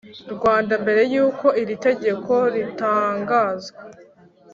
Rwanda mbere y uko iri tegeko ritangazwa